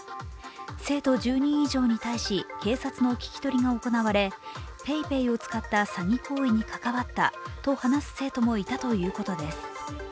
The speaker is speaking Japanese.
生徒１０人以上に対し、警察の聞き取りが行われ、ＰａｙＰａｙを使った詐欺行為に関わったと話す生徒もいたということです。